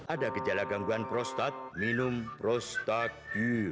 ada gejala gangguan prostat minum prostagil